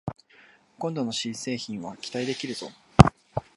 今度の新製品は期待できるぞ